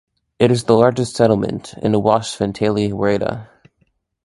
It is the largest settlement in Awash Fentale woreda.